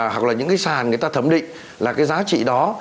hoặc là những cái sàn người ta thẩm định là cái giá trị đó